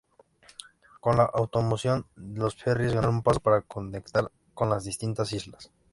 Con la automoción, los ferries ganaron paso para conectar con las distintas islas.